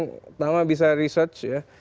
pertama bisa research ya